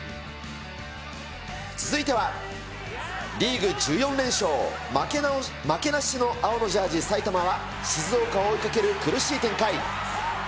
続いてはリーグ１４連勝、負けなしの青のジャージ、埼玉は、静岡を追いかける苦しい展開。